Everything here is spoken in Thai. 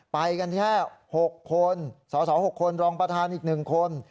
ไปกันแค่๖คนสส๖คนรองประธานอีก๑คน